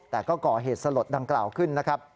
แต่ก็ก่อเหตุสลดดังกล่าวขึ้นนะครับ